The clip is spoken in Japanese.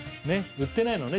売ってないのね